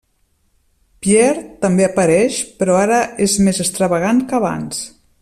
Pierre també apareix, però ara és més extravagant que abans.